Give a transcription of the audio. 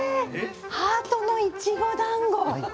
⁉ハートのいちごだんご！